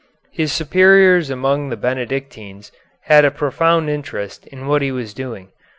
His superiors among the Benedictines had a profound interest in what he was doing.